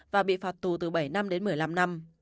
và bị phạt tù từ bảy năm đến một mươi năm năm